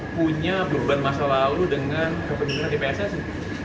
punya berhubungan masa lalu dengan kepentingan di pssi